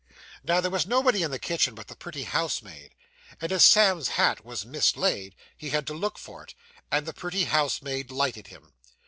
Now, there was nobody in the kitchen, but the pretty housemaid; and as Sam's hat was mislaid, he had to look for it, and the pretty housemaid lighted him.